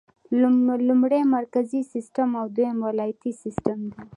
لومړی مرکزي سیسټم او دوهم ولایتي سیسټم دی.